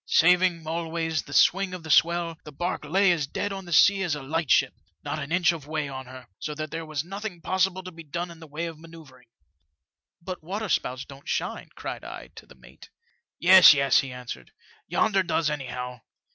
Saving, always, the swing of the swell, the harque lay as dead on the sea as a light ship, not an inch of way on her; so that there was nothing possible to be done in the way of manoeuvring. "* But waterspouts don't shine,' cried I, to the mate. "*Yes, yes,' he answered; 'yonder does, anyhow.